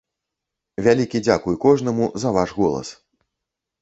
Вялікі дзякуй кожнаму за ваш голас.